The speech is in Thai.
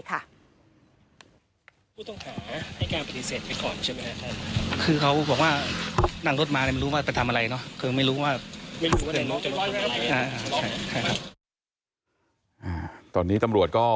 ผู้ต้องแผนให้การปฏิเสธไปก่อนใช่ไหมนะค่ะ